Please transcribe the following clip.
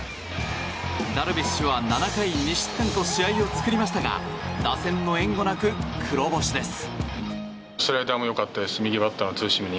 ダルビッシュは７回２失点と試合を作りましたが打線の援護なく黒星です。